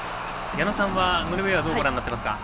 矢野さんはノルウェーはどうご覧になっていますか？